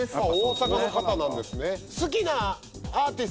あっ大阪の方なんですね。